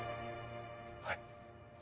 はい。